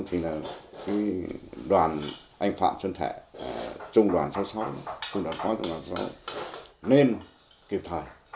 thì đoàn anh phạm xuân thẻ trung đoàn sáu mươi sáu trung đoàn bốn mươi sáu trung đoàn sáu mươi sáu nên kiểm thải